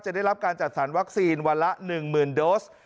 ได้รับการจัดสรรวัคซีนวันละ๑๐๐๐โดส